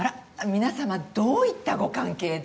皆様どういったご関係で？